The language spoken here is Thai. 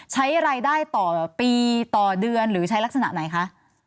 ใช้รายได้ต่อปีต่อเดือนหรือใช้ลักษณะไหนคะ